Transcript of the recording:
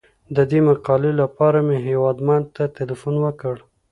د دې مقالې لپاره مې هیوادمل ته تیلفون وکړ.